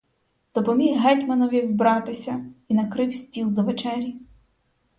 Допоміг гетьманові вбратися і накрив стіл до вечері.